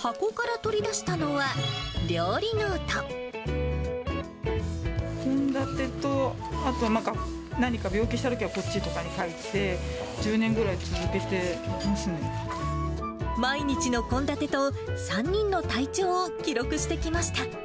箱から取り出したのは料理ノ献立と、あと、なんか、何か病気したときはこっちに書いて、１０年ぐらい続けて毎日の献立と、３人の体調を記録してきました。